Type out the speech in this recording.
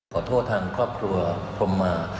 ขอโทษทางครอบครัวพรมมา